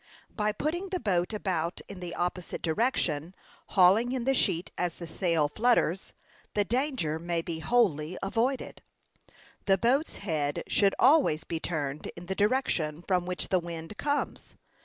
By putting the boat about in the opposite direction, hauling in the sheet as the sail flutters, the danger may be wholly avoided. The boat's head should always be turned in the direction from which the wind comes.